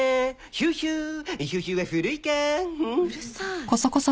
ヒューヒューは古いか。